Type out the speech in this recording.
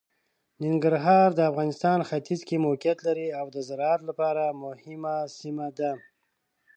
ننګرهار د افغانستان ختیځ کې موقعیت لري او د زراعت لپاره مهمه سیمه ده.